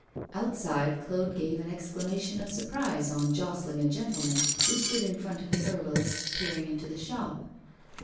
Outside, Claude gave an exclamation of surprise on jostling a gentleman, who stood in front of the herbalist's peering into the shop.